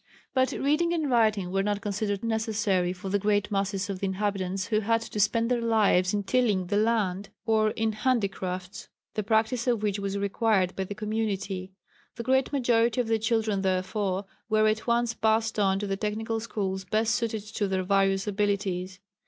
But reading and writing were not considered necessary for the great masses of the inhabitants who had to spend their lives in tilling the land, or in handicrafts, the practice of which was required by the community. The great majority of the children therefore were at once passed on to the technical schools best suited to their various abilities.